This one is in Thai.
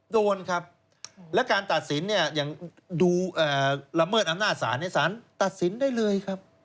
โดนครับและการตัดสินเนี่ยอย่างดูละเมิดอำนาจศาลศาลตัดสินได้เลยครับ